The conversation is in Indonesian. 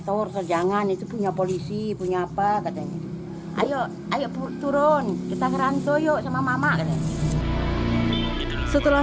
tour sejangan itu punya polisi punya apa katanya ayo ayo turun kita rantai yuk sama mama setelah